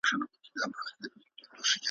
هغه ساقي هغه مطرب هغه یاران نه راځي